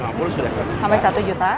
sampai satu juta